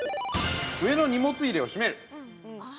上の荷物入れを閉める。